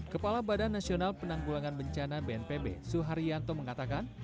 kepala badan nasional penanggulangan bencana bnpb suharyanto mengatakan